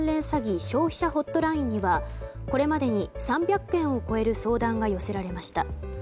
詐欺消費者ホットラインにはこれまでに３００件を超える相談が寄せられました。